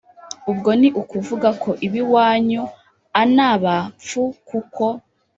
ubwo n i ukuvuga ko ib' iwanyu an aba pfu kuko